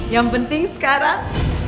yang penting sekarang